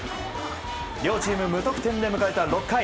両チーム無得点で迎えた６回